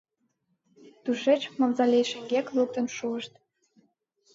Тушеч Мавзолей шеҥгек луктын шуышт.